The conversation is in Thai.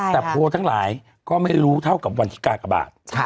แต่โพลทั้งหลายก็ไม่รู้เท่ากับวันที่กากบาท